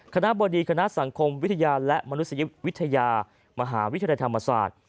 บดีคณะสังคมวิทยาและมนุษยวิทยามหาวิทยาลัยธรรมศาสตร์